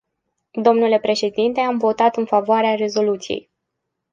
Dle președinte, am votat în favoarea rezoluției.